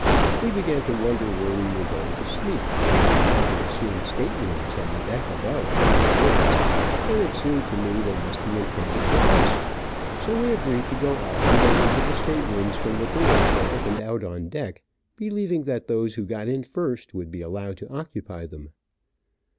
We began to wonder where we were going to sleep, when I remembered seeing state rooms on the deck above, with berths, and it seemed to me they must be intended for us, so we agreed to go up and go into the state rooms from the doors that opened out on deck, believing that those who got in first would be allowed to occupy them.